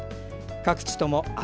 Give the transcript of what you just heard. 各地とも雨。